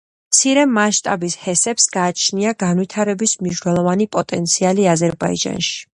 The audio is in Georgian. მცირე მასშტაბის ჰესებს გააჩნია განვითარების მნიშვნელოვანი პოტენციალი აზერბაიჯანში.